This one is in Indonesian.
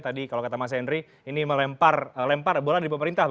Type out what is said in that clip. tadi kalau kata mas henry ini melempar bola dari pemerintah